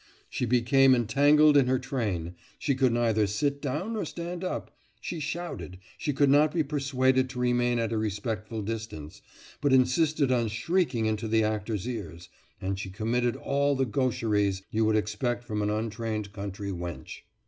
She became entangled in her train, she could neither sit down nor stand up, she shouted, she could not be persuaded to remain at a respectful distance, but insisted upon shrieking into the actor's ears, and she committed all the gaucheries you would expect from an untrained country wench.